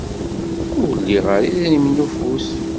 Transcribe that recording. Ur liɣ ara idrimen n ufus.